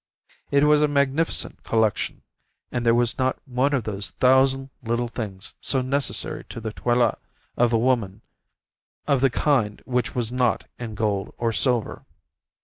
It was a magnificent collection, and there was not one of those thousand little things so necessary to the toilet of a woman of the kind which was not in gold or silver.